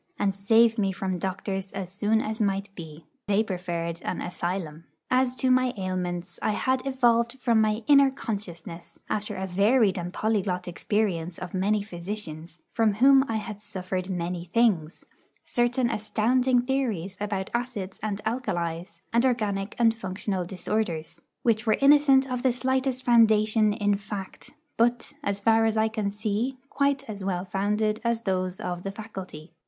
and save me from doctors as soon as might be. They preferred an 'asylum.' As to my ailments, I had evolved from my inner consciousness, after a varied and polyglot experience of many physicians, from whom I had suffered many things, certain astounding theories about acids and alkalies, and organic and functional disorders, which were innocent of the slightest foundation in fact, but, as far as I can see, quite as well founded as those of the faculty.